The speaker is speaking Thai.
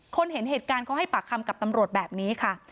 เห็นเหตุการณ์เขาให้ปากคำกับตำรวจแบบนี้ค่ะ